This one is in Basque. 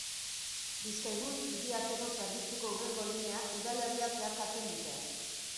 Bizkaibus hiri-arteko zerbitzuko hurrengo lineak udalerria zeharkatzen dute.